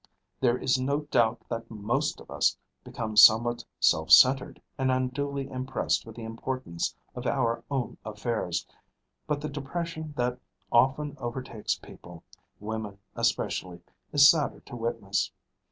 There is no doubt that most of us become somewhat self centred and unduly impressed with the importance of our own affairs; but the depression that often overtakes people, women especially, is sadder to witness.